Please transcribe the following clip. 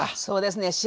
そうですね